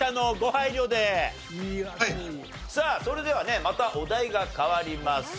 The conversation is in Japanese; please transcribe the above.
さあそれではねまたお題が変わります。